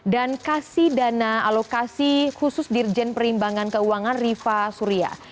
dan kasih dana alokasi khusus dirjen perimbangan keuangan riva surya